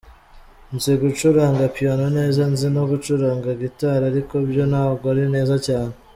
Nzi gucuranga piano neza, nzi no gucuranga gitari ariko byo ntabwo ari neza cyane.